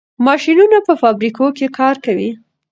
ماشینونه په فابریکو کې کار کوي.